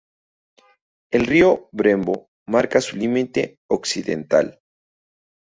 El río Brembo marca su límite occidental.